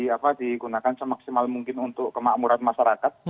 apa digunakan semaksimal mungkin untuk kemakmuran masyarakat